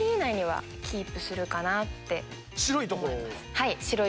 はい。